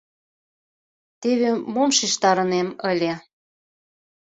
Теве мом шижтарынем ыле...